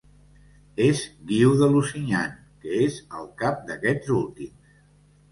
És Guiu de Lusignan que és al cap d'aquests últims.